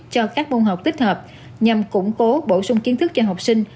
cho các môn học tích hợp nhằm củng cố bổ sung kiến thức cho học sinh